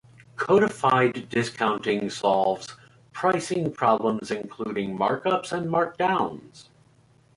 Codified discounting solves pricing problems including markups and markdowns.